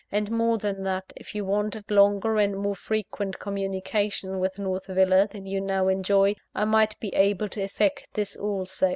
And more than that, if you wanted longer and more frequent communication with North Villa than you now enjoy, I might be able to effect this also.